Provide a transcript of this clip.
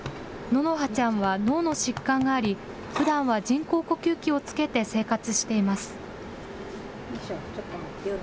望花ちゃんは脳の疾患があり、ふだんは人工呼吸器をつけて生活しています。